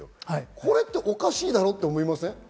これっておかしいだろって思いません？